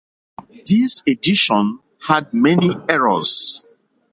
This edition had many errors.